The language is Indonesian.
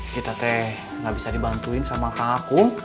kita teh gak bisa dibantuin sama kak akung